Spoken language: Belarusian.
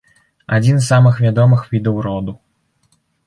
Адзін з самых вядомых відаў роду.